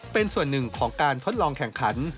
เป็นส่วนหนึ่งของการทดลองแข่งขัน